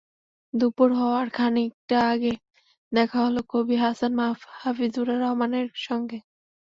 দুপুর হওয়ার খানিকটা আগে দেখা হলো কবি হাসান হাফিজুর রহমানের সঙ্গে।